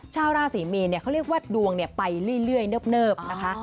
ชาวราศรีมีนเขาเรียกว่าดวงไปเรื่อยเนิบนะคะ